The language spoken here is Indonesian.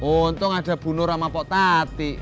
untung ada bu nur sama pok tati